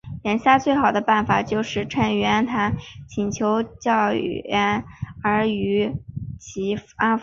眼下最好的办法就是趁袁谭请求救援而予以安抚。